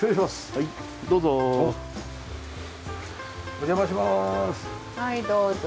はいどうぞ。